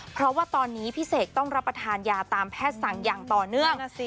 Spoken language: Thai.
เพราะว่าตอนนี้พี่เสกต้องรับประทานยาตามแพทย์สั่งอย่างต่อเนื่อง